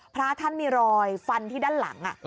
พระท่านมีรอยฟันที่ด้านหลัง